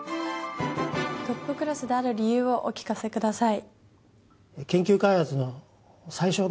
トップクラスである理由をお聞かせください。